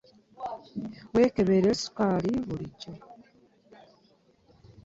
Weekebere sukaali bulijjo.